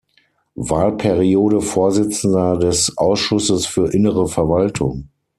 Wahlperiode Vorsitzender des Ausschusses für innere Verwaltung.